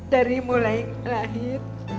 dari mulai lahir